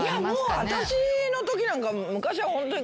私のときなんか昔はホントに。